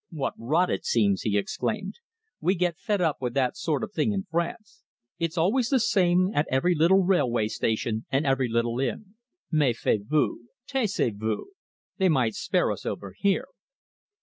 "What rot it seems!" he exclaimed. "We get fed up with that sort of thing in France. It's always the same at every little railway station and every little inn. 'Mefiez vous! Taisez vous!' They might spare us over here."